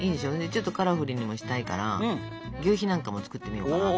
ちょっとカラフルにもしたいからぎゅうひなんかも作ってみようかなと。